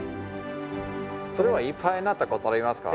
それはいっぱいになったことはありますか？